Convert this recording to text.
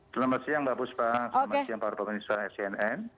selamat siang mbak buspa selamat siang pak rupo mbak niswa snn